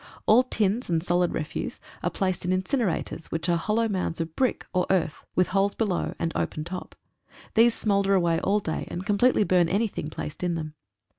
All tins and solid refuse are placed in incinerators, which are hollow mounds of bricks or earth with holes below, and open top. These smoulder away all day, and completely burn anything placed in them.